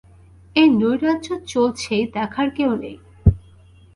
এই নৈরাজ্য চলছেই, দেখার কেউ নেই।